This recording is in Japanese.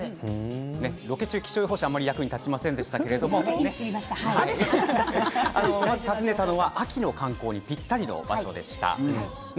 ロケ中気象予報士はあまり役に立ちませんでしたけれども訪ねたのは秋の観光にぴったりな場所でした。